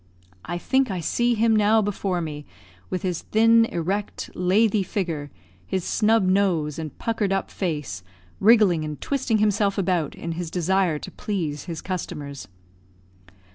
I think I see him now before me with his thin, erect, lathy figure, his snub nose, and puckered up face, wriggling and twisting himself about, in his desire to please his customers.